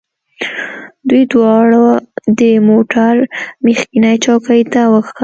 دوی دواړه د موټر مخکینۍ څوکۍ ته وختل